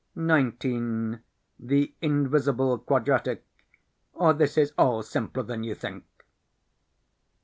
19. The Invisible Quadratic, or This is All Simpler than You Think.